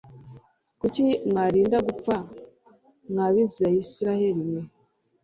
kuki mwarinda gupfa, mwa b'inzu y'isiraheri mwe